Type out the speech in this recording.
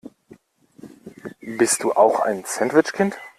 Bist du auch ein Sandwich-Kind?